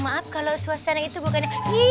maaf kalau suasana itu bukan